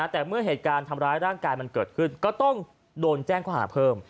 แต่เมื่อเหตุการณ์ทำร้ายร่างกายมันเกิดขึ้นก็ต้องโดนแจ้งข้อหาเพิ่ม